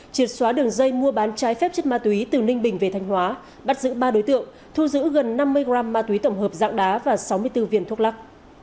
triệt xóa đường dây mua bán trái phép chất ma túy từ ninh bình về thanh hóa bắt giữ ba đối tượng thu giữ gần năm mươi g ma túy tổng hợp dạng đá và sáu mươi bốn viên thuốc lắc